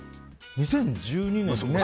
２０１２年。